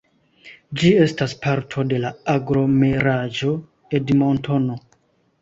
Ĝi estas parto de la Aglomeraĵo Edmontono.